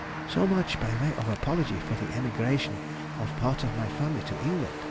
So much, by way of apology, for the emigration of part of my family to England.